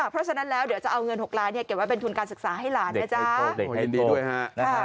เพราะฉะนั้นแล้วเดี๋ยวจะเอาเงิน๖ล้านเก็บไว้เป็นทุนการศึกษาให้หลานนะคะ